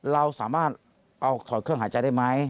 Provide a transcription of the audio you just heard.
เราสามารถเอาถอดเครื่องหายใจได้ไหม